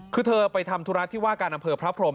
คือเธอไปทำธุระที่ว่าการอำเภอพระพรม